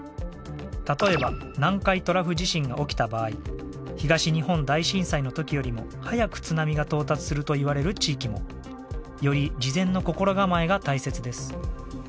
例えば南海トラフ地震が起きた場合東日本大震災の時よりも早く津波が到達するといわれる地域も。より事前の心構えが大切です。